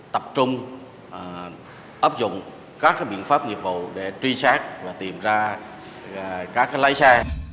tập trung ấp dụng các biện pháp nghiệp vụ để truy sát và tìm ra các lái xe